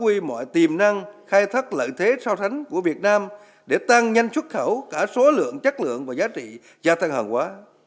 phát huy mọi tiềm năng khai thất lợi thế sau tháng của việt nam để tăng nhanh xuất khẩu cả số lượng chất lượng và giá trị gia tăng hàng quá